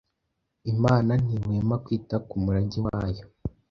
Imana ntihwema kwita ku murage wayo.